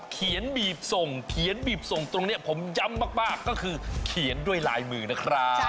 เขียนบีบส่งเขียนบีบส่งตรงนี้ผมย้ำมากก็คือเขียนด้วยลายมือนะครับ